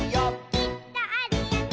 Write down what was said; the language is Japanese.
「きっとあるよね」